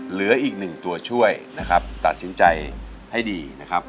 เหลืออีกหนึ่งตัวช่วยนะครับตัดสินใจให้ดีนะครับ